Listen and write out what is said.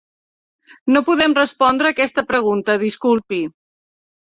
No podem respondre aquesta pregunta, disculpi.